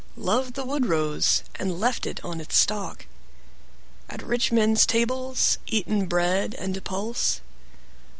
Loved the wood rose, and left it on its stalk? At rich men's tables eaten bread and pulse?